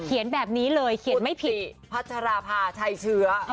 แบบนี้เลยเขียนไม่ผิดพัชราภาชัยเชื้อ